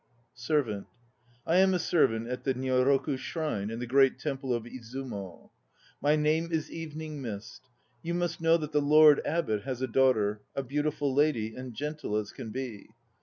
SERVANT. I am a servant at the Nyoroku Shrine in the Great Temple of Izumo. My name is Evening Mist. You must know that the Lord Abbot has a daughter, a beautiful lady and gentle as can be.